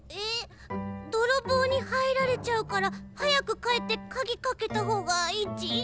えっどろぼうにはいられちゃうからはやくかえってカギかけたほうがいいっち？